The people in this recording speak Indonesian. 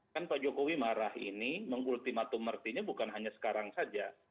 kan pak jokowi marah ini mengultimatum artinya bukan hanya sekarang saja